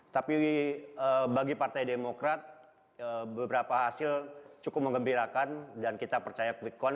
tapi bagi partai demokrat beberapa hasil cukup mengembirakan dan kita percaya quick count